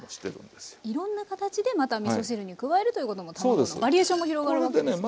いろんな形でまたみそ汁に加えるということも卵のバリエーションも広がるわけですね。